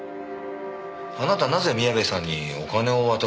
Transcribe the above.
あなたなぜ宮部さんにお金を渡そうとしたんです？